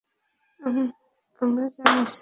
আমরা জানি, স্যার।